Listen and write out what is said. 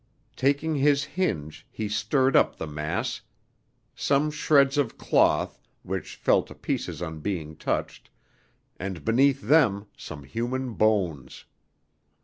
Taking his hinge, he stirred up the mass; some shreds of cloth, which fell to pieces on being touched, and beneath them some human bones.